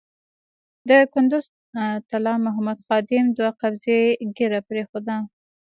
د کندز طلا محمد خادم دوه قبضې ږیره پرېښوده.